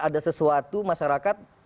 ada sesuatu masyarakat